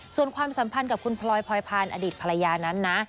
ส่วนความสัมพันธ์กับคุณพลอยพลอยพันธ์อดีตภรรยานั้นนะ